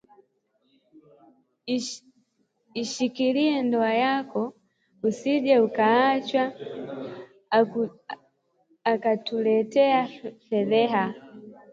Ishikilie ndoa yako usije ukaachwa ukatuletea fedheha